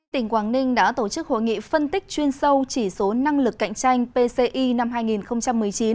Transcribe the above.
tỉnh quảng ninh đã tổ chức hội nghị phân tích chuyên sâu chỉ số năng lực cạnh tranh pci năm hai nghìn một mươi chín